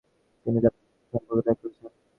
তিনি তার "আনুষ্ঠানিক" সম্পর্ক ত্যাগ করেন।